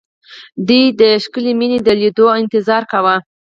دوی د ښکلې مينې د ليدو انتظار کاوه